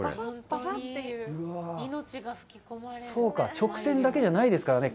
そうか、直線だけじゃないですからね。